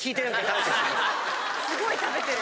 すごい食べてる。